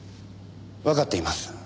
わかっています。